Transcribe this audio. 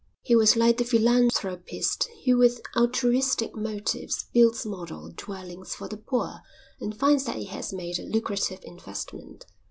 He was like the philanthropist who with altruistic motives builds model dwellings for the poor and finds that he has made a lucrative investment.